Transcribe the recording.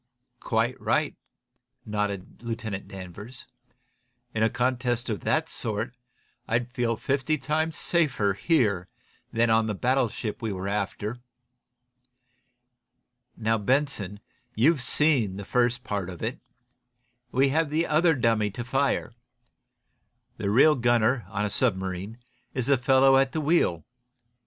"Quite right," nodded Lieutenant Danvers. "In a contest of that sort I'd feel fifty times safer here than on the battleship we were after. Now, Benson, you've seen the first part of it. We have the other dummy to fire. The real gunner, on a submarine, is the fellow at the wheel.